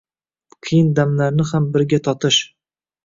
qiyin damlarni ham birga totish